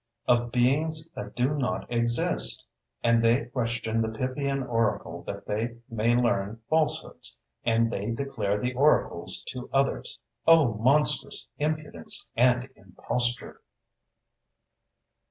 Of beings that do not exist! and they question the Pythian oracle that they may learn falsehoods; and they declare the oracles to others. O monstrous impudence and imposture!